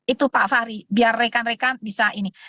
itu pak fahri biar rekan rekan bisa ini